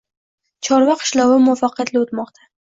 Chorva qishlovi muvaffaqiyatli o‘tmoqda